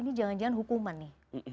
ini jangan jangan hukuman nih